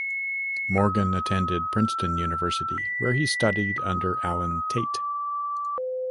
Morgan attended Princeton University, where he studied under Allen Tate.